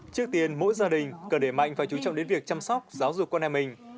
trước tiên mỗi gia đình cần để mạnh và chú trọng đến việc chăm sóc giáo dục con em mình